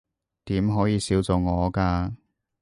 點可以少咗我㗎